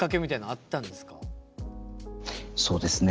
そうですね。